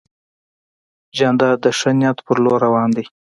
جانداد د ښه نیت په لور روان دی.